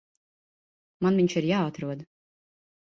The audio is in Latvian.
Man viņš ir jāatrod.